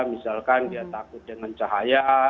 misalkan dia takut dengan cahaya